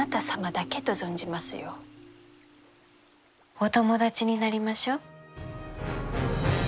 お友達になりましょう。